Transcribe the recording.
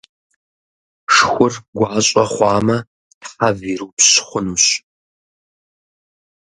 Шхур гуащӏэ хъуамэ, тхьэв ирупщ хъунущ.